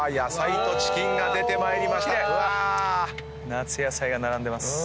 夏野菜が並んでます。